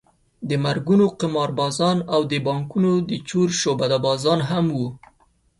د مرګونو قماربازان او د بانکونو د چور شعبده بازان هم وو.